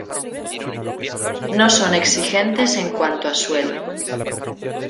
No son exigentes en cuanto a suelo.